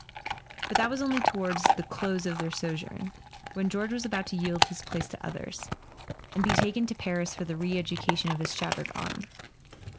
But that was only toward the close of their sojourn, when George was about to yield his place to others, and be taken to Paris for the re education of his shat¬ tered arm.